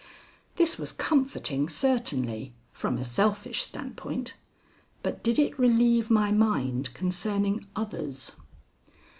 This was comforting certainly, from a selfish standpoint; but did it relieve my mind concerning others?